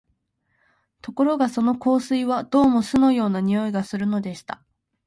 ところがその香水は、どうも酢のような匂いがするのでした